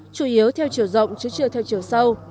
chủ yếu theo chiều rộng chứ chưa theo chiều sâu